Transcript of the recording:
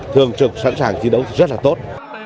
thường trực sẵn sàng chiến đấu rất là tốt